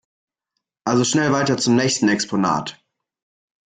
Also schnell weiter zum nächsten Exponat!